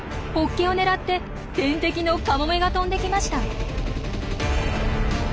ホッケを狙って天敵のカモメが飛んできました。